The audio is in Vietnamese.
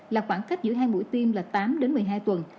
là khoảng cách giữa hai buổi tiêm là tám đến một mươi hai tuần